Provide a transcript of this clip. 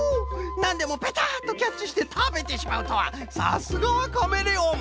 なんでもペタッとキャッチしてたべてしまうとはさすがはカメレオン！